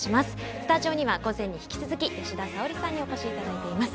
スタジオには午前に引き続き吉田沙保里さんにお越しいただいています。